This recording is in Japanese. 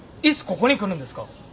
ここに来るんですか？